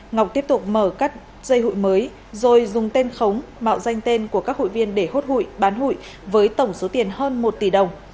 ngọc tiếp tục mở các dây hụi mới rồi dùng tên khống mạo danh tên của các hụi viên để hốt hụi bán hụi với tổng số tiền hơn một tỷ đồng